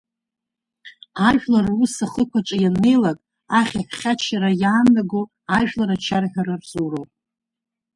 Ажәлар рус ахықә аҿы ианнеилак ахьаҳә-хьачара иаанаго ажәлар ачарҳәара рзуроуп.